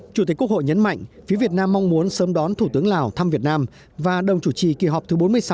chủ tịch quốc hội nhấn mạnh phía việt nam mong muốn sớm đón thủ tướng lào thăm việt nam và đồng chủ trì kỳ họp thứ bốn mươi sáu